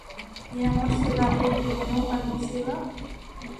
يا مرسل الريح جنوبا وصبا